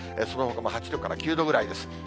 そのほかも８度から９度ぐらいです。